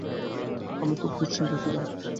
আমি খুবই দুশ্চিন্তায় ছিলাম।